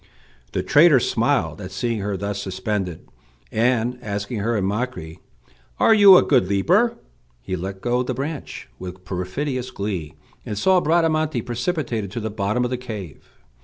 The traitor smiled at seeing her thus suspended, and, asking her in mockery, "Are you a good leaper?" he let go the branch with perfidious glee, and saw Bradamante precipitated to the bottom of the cave.